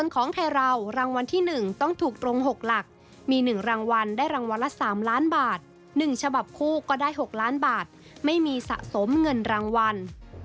การถูกรางวัลได้รางวัลละ๓ล้านบาท๑ฉบับคู่ก็ได้๖ล้านบาทไม่มีสะสมเงินรางวัล